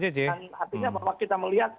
dan artinya kita melihat